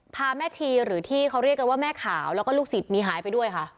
แม่ชีหรือที่เขาเรียกกันว่าแม่ขาวแล้วก็ลูกศิษย์นี้หายไปด้วยค่ะ